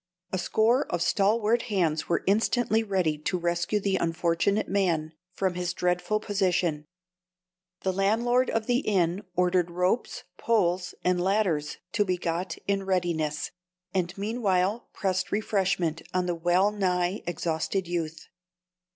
A score of stalwart hands were instantly ready to rescue the unfortunate man from his dreadful position; the landlord of the inn ordered ropes, poles, and ladders to be got in readiness, and meanwhile pressed refreshment on the well nigh exhausted youth.